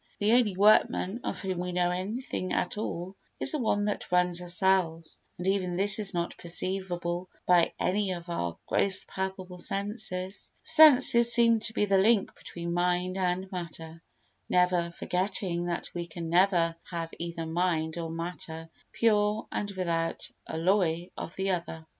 The only workman of whom we know anything at all is the one that runs ourselves and even this is not perceivable by any of our gross palpable senses. The senses seem to be the link between mind and matter—never forgetting that we can never have either mind or matter pure and without alloy of the other.